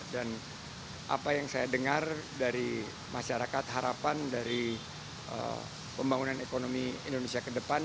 dan apa yang saya dengar dari masyarakat harapan dari pembangunan ekonomi indonesia ke depan